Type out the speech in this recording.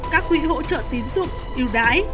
các quỹ hỗ trợ tín dụng yêu đái